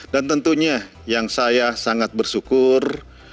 dan tentunya yang saya sangat bersyukur